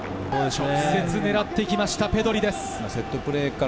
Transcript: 直接狙ってきましたペドリです。